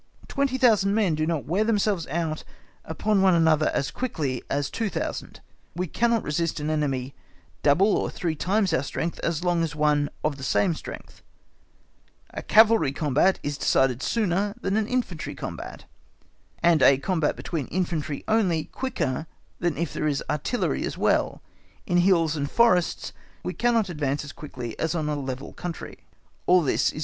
Twenty thousand men do not wear themselves out upon one another as quickly as two thousand: we cannot resist an enemy double or three times our strength as long as one of the same strength; a cavalry combat is decided sooner than an infantry combat; and a combat between infantry only, quicker than if there is artillery(*) as well; in hills and forests we cannot advance as quickly as on a level country; all this is clear enough.